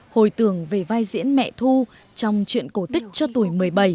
hồi tưởng về vai diễn mẹ thu trong chuyện cổ tích cho tuổi một mươi bảy